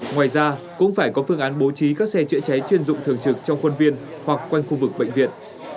ngoài ra cũng phải có phương án bố trí các xe chữa cháy chuyên dụng thường trực trong quân viên hoặc quanh khu vực bệnh viện